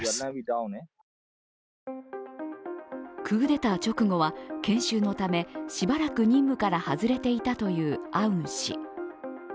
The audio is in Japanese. クーデター直後は研修のため、しばらく任務から外れていたというアウン氏。